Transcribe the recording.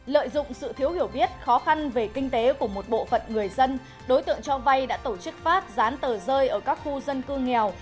lợi dụng sự thiếu hiểu biết khó khăn về kinh tế của một bộ phận người dân đối tượng cho vay đã tổ chức phát dán tờ rơi ở các khu dân cư nghèo